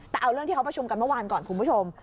แต่เอาเรื่องที่เขาประชุมกันเมื่อวานก่อนคุณผู้ชม